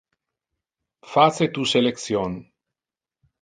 Face tu selection.